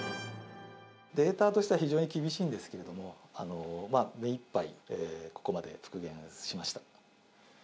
データとしては非常に厳しいんですけれども、目いっぱいここまで復元しました。